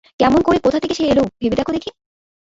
কেমন করে কোথা থেকে সে এল ভেবে দেখো দেখি।